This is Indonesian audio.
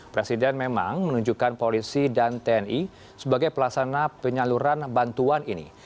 presiden memang menunjukkan polisi dan tni sebagai pelaksana penyaluran bantuan ini